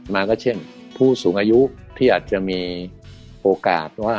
มาก็เช่นผู้สูงอายุที่อาจจะมีโอกาสว่า